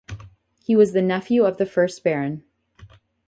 He was the nephew of the first Baron.